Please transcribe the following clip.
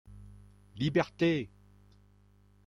Liberté !